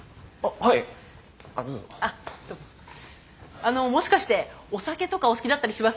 あのもしかしてお酒とかお好きだったりします？